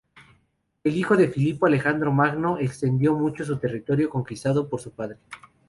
El hijo de Filipo, Alejandro Magno, extendió mucho el territorio conquistado por su padre.